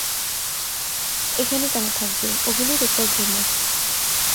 এখানে কেন থাকবে, ওগুলো রেকর্ড রুমে।